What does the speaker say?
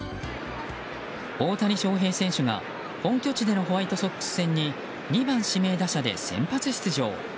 大谷翔平選手が本拠地でのホワイトソックス戦に２番指名打者で先発出場。